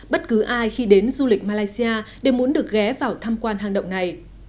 bất cứ ai khi đến du lịch malaysia đều muốn được ghé vào tham quan hang động này